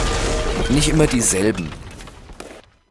Nicht immer dieselben!